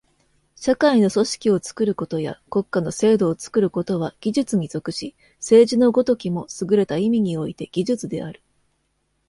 社会の組織を作ることや国家の制度を作ることは技術に属し、政治の如きもすぐれた意味において技術である。